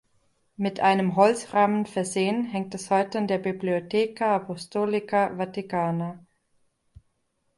Mit einem Holzrahmen versehen, hängt es heute in der Biblioteca Apostolica Vaticana.